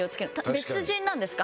別人なんですか？